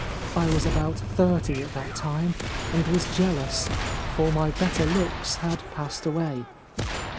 I was about thirty at that time, and was jealous, for my better looks had passed away.